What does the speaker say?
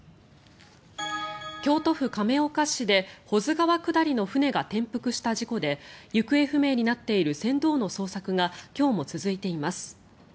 京都府亀岡市で保津川下りの船が転覆した事故で行方不明になっている船頭の捜索が今日も続いています。